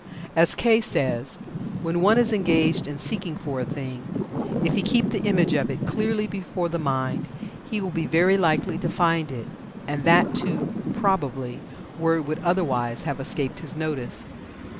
As Kay says: "When one is engaged in seeking for a thing, if he keep the image of it clearly before the mind, he will be very likely to find it, and that too, probably, where it would otherwise have escaped his notice.